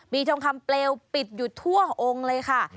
มีทองคำเปลวปิดอยู่ทั่วองค์เลยค่ะ